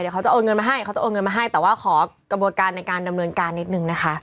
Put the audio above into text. เขาจะโอนเงินมาให้แต่ว่าขอกระบวนการในการดำเนินการนิดนึงนะคะ